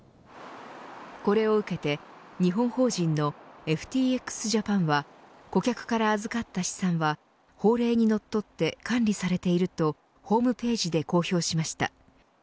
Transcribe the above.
これを受けて日本法人のＦＴＸジャパンは顧客から預かった資産は法令にのっとって管理されているとホームページで公表しました。